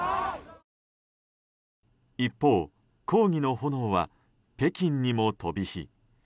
一方、抗議の炎は北京にも飛び火。